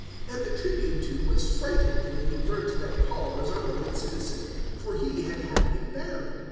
And the Tribune, too, was frightened when he learnt that Paul was a Roman citizen, for he had had him bound.